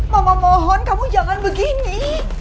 mama mohon kamu jangan begini